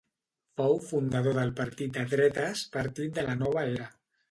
Fou fundador del partit de dretes Partit de la Nova Era.